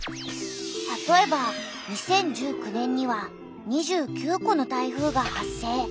たとえば２０１９年には２９個の台風が発生。